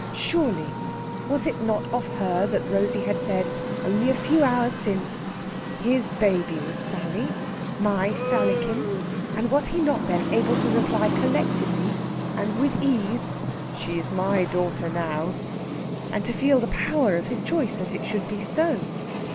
Surely! Was it not of her that Rosey had said, only a few hours since, "His baby was Sally my Sallykin"? And was he not then able to reply collectedly and with ease, "She is my daughter now," and to feel the power of his choice that it should be so?